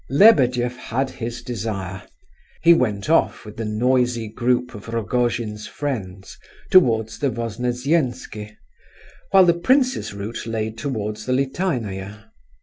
Lebedeff had his desire. He went off with the noisy group of Rogojin's friends towards the Voznesensky, while the prince's route lay towards the Litaynaya.